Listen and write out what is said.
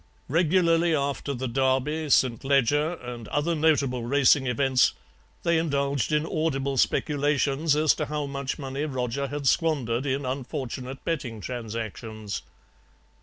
"Regularly after the Derby, St. Leger, and other notable racing events they indulged in audible speculations as to how much money Roger had squandered in unfortunate betting transactions.